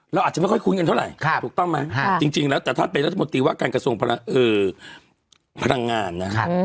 เราอาจจะไม่ค่อยคุ้นกันเท่าไหร่ถูกต้องไหมจริงแล้วแต่ท่านเป็นรัฐมนตรีว่าการกระทรวงพลังงานนะครับ